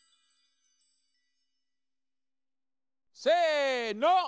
せの！